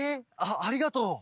ありがとう。